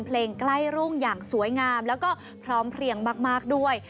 ใกล้รุ่งอย่างสวยงามแล้วก็พร้อมเพลียงมากด้วย